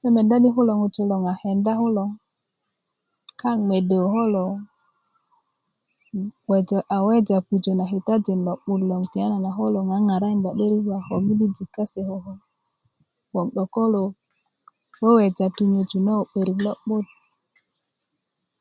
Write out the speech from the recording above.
do meda di kulo ŋutulu loŋ a kenda kulo kaŋ mede yu kulo bgoso a weja pujö ma kitajin tiyanana ko kulo ŋaŋarakinda 'börik ko midijik kase ko 'dok ko kulo weweja tunyöju na'börik lo'but